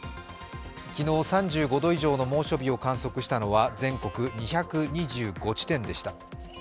昨日、３５度以上の猛暑日を観測したのは全国２２５地点でした。